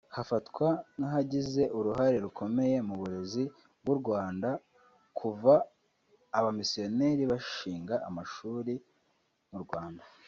hafatwa nk’ahagize uruhare rukomeye mu burezi bw’u Rwanda kuva abamisiyoneri bashinga amashuri mu Rwanda